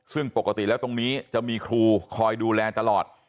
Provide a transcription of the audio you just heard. ซึ่งปกติแล้วตรงนี้จะมีครูคอยดูแลตลอด